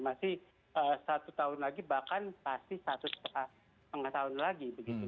masih satu tahun lagi bahkan pasti satu setengah tahun lagi begitu